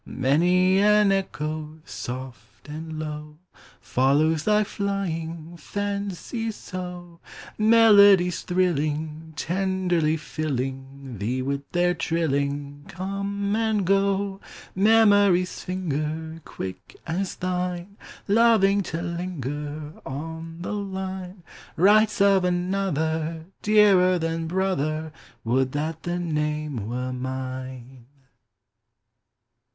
Many an echo, Soft and low, Follows thy th ing Fancy so, — Melodies thrilling, Tenderly filling Thee with their trilling, Come and go ; Memory's finger. Quick as thine, Loving to linger On the line, Writes of another, Dearer than brother: Would that the name were mine!